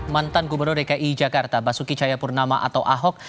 mantan gubernur dki jakarta basuki cayapurnama atau ahok